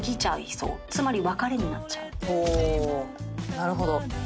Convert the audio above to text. なるほど。